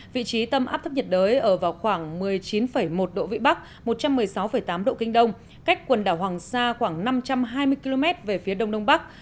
vị trí tâm áp thấp nhiệt đới ở vào khoảng một mươi chín một độ vĩ bắc một trăm một mươi sáu tám độ kinh đông cách quần đảo hoàng sa khoảng năm trăm hai mươi km về phía đông đông bắc